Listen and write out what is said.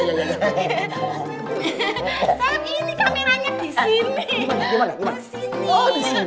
sam ini kameranya disini